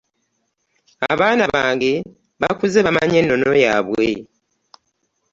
Abaana bange bakuze bamanyi ennono yaabwe.